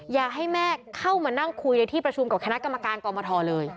อยากให้แม่เข้ามานั่งคุยในที่ประชุมกับคณะกรรมการกรมทรเลย